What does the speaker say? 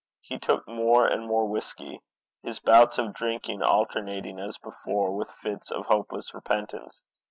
He took more and more whisky, his bouts of drinking alternating as before with fits of hopeless repentance.